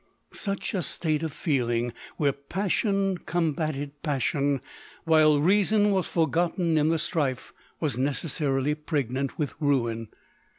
Such a state of feeling, where passion com bated passion, while reason was forgotten in the strife, was necessarily pregnant with ruin.